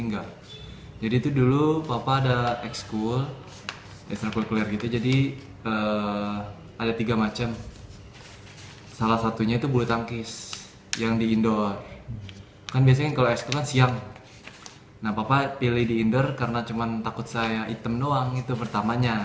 nah papa pilih di inder karena cuma takut saya item doang itu pertamanya